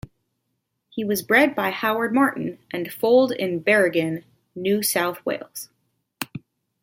He was bred by Howard Martin and foaled in Berrigan, New South Wales.